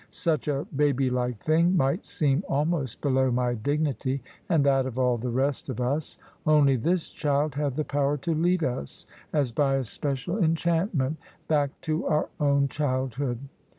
Such a baby like thing might seem almost below my dignity, and that of all the rest of us; only this child had the power to lead us, as by a special enchantment, back to our own childhood.